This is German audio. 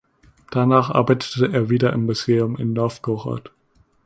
Danach arbeitete er wieder im Museum in Nowgorod.